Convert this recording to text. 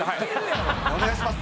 お願いします。